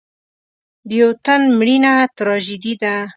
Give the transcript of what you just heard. د یو تن مړینه تراژیدي ده.